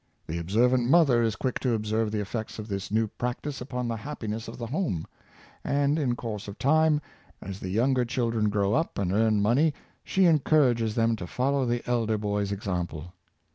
The observant mother is quick to observe the effects of this new practice upon the happi ness of the home; and in course of time, as the younger children grow up and earn money, she encourages them to follow the elder boy's example.